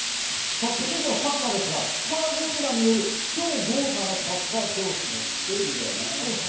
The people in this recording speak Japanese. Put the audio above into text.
続いてはサッカーですが、スター軍団による超豪華なサッカー教室です。